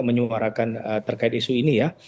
menyuarakan terkait isu ini ya